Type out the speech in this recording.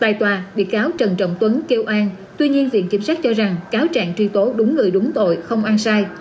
tại tòa bị cáo trần trọng tuấn kêu an tuy nhiên viện kiểm sát cho rằng cáo trạng truy tố đúng người đúng tội không ăn sai